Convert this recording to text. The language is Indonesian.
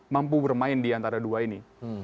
mampu bermain diantara dua ini